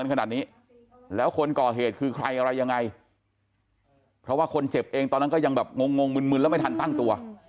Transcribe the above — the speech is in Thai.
ขนาดนี้แล้วคนก่อเหตุคือใครอะไรยังไงเพราะว่าคนเจ็บเองตอนนั้นก็ยังแบบงงงมึนแล้วไม่ทันตั้งตัว